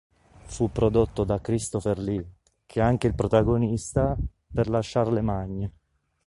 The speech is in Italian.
Fu prodotto da Christopher Lee, che è anche il protagonista, per la "Charlemagne".